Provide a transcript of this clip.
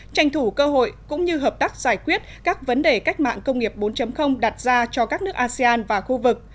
tranh thủ cơ hội cũng như hợp tác giải quyết các vấn đề cách mạng công nghiệp bốn đặt ra cho các nước asean và khu vực